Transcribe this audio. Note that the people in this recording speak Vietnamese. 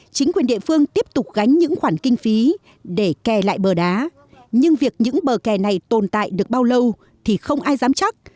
chính quyền địa phương tiếp tục gánh những khoản kinh phí để kè lại bờ đá nhưng việc những bờ kè này tồn tại được bao lâu thì không ai dám chắc